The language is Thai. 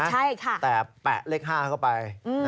ใช่ค่ะแต่แปะเลข๕เข้าไป